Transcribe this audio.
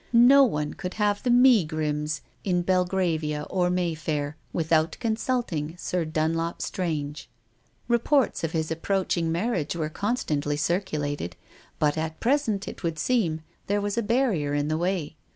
No one could have the megrims in Belgravia or Mayfair without consulting Sir Dunlop Strange. Reports of his approaching marriage were constantly circulated, but at present, it would seem, there was a barrier in the way.